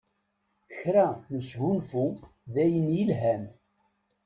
Kra n usgunfu d ayen yelhan.